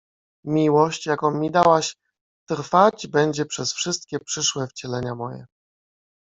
Miłość, jaką mi dałaś, trwać będzie przez wszystkie przyszłe wcielenia moje.